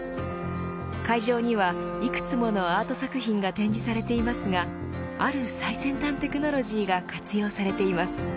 会場にはいくつものアート作品が展示されていますがある最先端テクノロジーが活用されています。